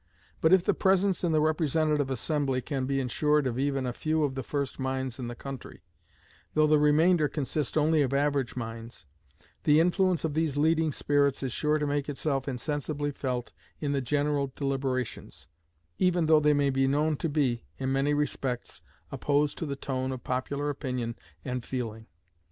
But if the presence in the representative assembly can be insured of even a few of the first minds in the country, though the remainder consist only of average minds, the influence of these leading spirits is sure to make itself insensibly felt in the general deliberations, even though they be known to be, in many respects, opposed to the tone of popular opinion and feeling.